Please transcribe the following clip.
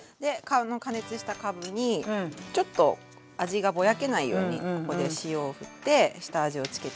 加熱したかぶにちょっと味がぼやけないようにここで塩を振って下味を付けておきますね。